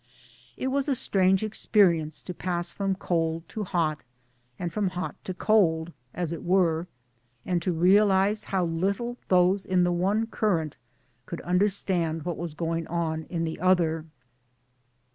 It was a strange experience to pass from cold to hot, and from hot to cold, as it were, and to realize how little those in the one current could understand what was going on in the other.